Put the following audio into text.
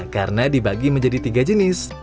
karena dibagi menjadi tiga jenis